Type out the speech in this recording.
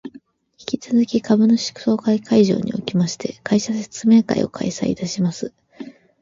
引き続き株主総会会場におきまして、会社説明会を開催いたします